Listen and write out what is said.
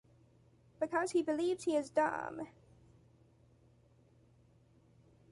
Because he believes he is dumb.